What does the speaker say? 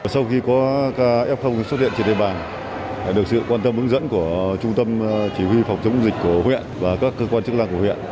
sau khi có ca f xuất hiện trên địa bàn được sự quan tâm hướng dẫn của trung tâm chỉ huy phòng chống dịch của huyện và các cơ quan chức năng của huyện